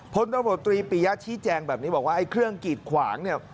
พลตำรวจตรีปริยชิแจงแบบนี้บอกว่าเครื่องกรีดขวาง